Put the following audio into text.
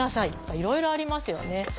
いろいろありますよね。